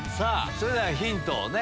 それではヒントをね。